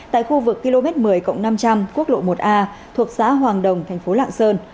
tại khu vực km một mươi năm trăm linh quốc lộ một a thuộc xã hoàng đồng thành phố lạng sơn